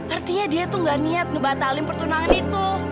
artinya dia tuh gak niat ngebatalin pertunangan itu